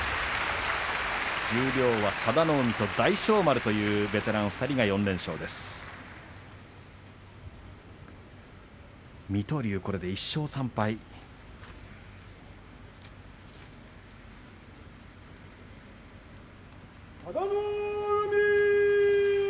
十両は佐田の海と大翔丸というベテラン２人が連勝です。